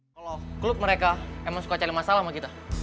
kalau klub mereka emang suka cari masalah sama kita